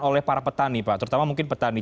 oleh para petani pak terutama mungkin petani